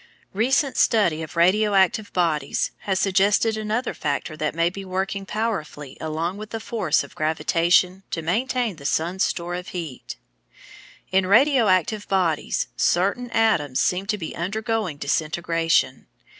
Recent study of radio active bodies has suggested another factor that may be working powerfully along with the force of gravitation to maintain the sun's store of heat. In radio active bodies certain atoms seem to be undergoing disintegration.